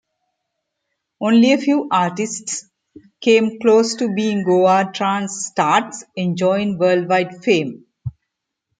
Only a few artists came close to being Goa trance "stars", enjoying worldwide fame.